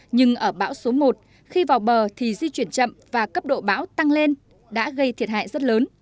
nhưng ở bão số một khi vào bờ thì di chuyển chậm và cấp độ bão tăng lên đã gây thiệt hại rất lớn